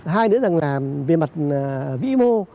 hai nữa là về mặt vĩ mô